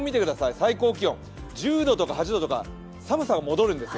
最高気温、１０度とか８度とか寒さが戻るんですよ。